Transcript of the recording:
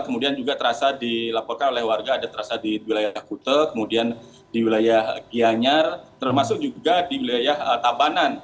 kemudian juga terasa dilaporkan oleh warga ada terasa di wilayah kute kemudian di wilayah gianyar termasuk juga di wilayah tabanan